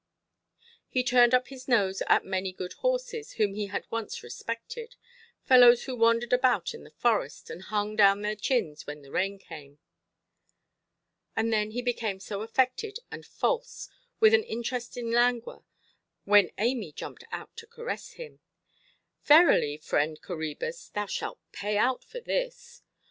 He turned up his nose at many good horses, whom he had once respected, fellows who wandered about in the forest, and hung down their chins when the rain came! And then he became so affected and false, with an interesting languor, when Amy jumped out to caress him! Verily, friend Coræbus, thou shalt pay out for this!